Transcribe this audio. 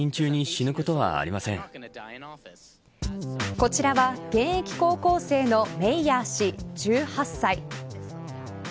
こちらは現役高校生のメイヤー氏１８歳。